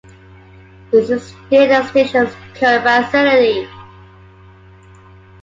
This is still the station's current facility.